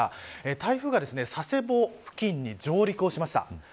台風が佐世保付近に上陸しました。